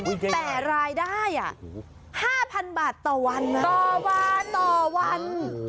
แต่รายได้๕๐๐๐บาทต่อวันนะต่อวันต่อวัน